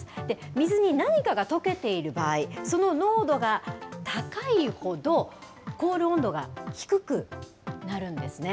水に何かがとけている場合、その濃度が高いほど、凍る温度が低くなるんですね。